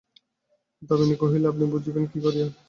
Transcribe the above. দামিনী কহিল, আপনি বুঝিবেন কী করিয়া?